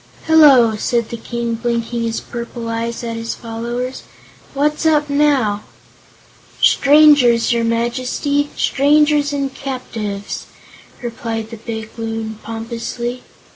"Hello," said the King, blinking his purple eyes at his followers; "what's up now!" "Strangers, your Majesty strangers and captives," replied the big Loon, pompously.